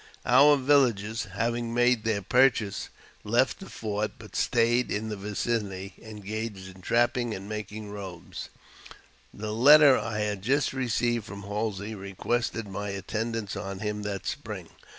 Our villages, having made their purchases, left the fort, bi stayed in the vicinity, engaged in trapping and making robes^ The letter I had just received from Halsey requested my at J tendance on him that spring.